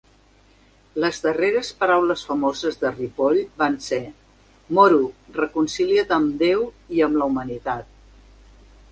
Les darreres paraules famoses de Ripoll van ser: "moro reconciliat amb deu i amb la humanitat".